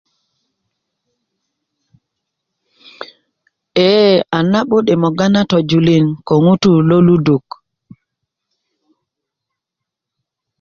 ee a na'but yi moga na tojulin ko ŋutu' lo luduk